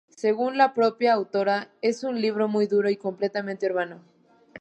Según la propia autora es un libro muy duro, y completamente urbano.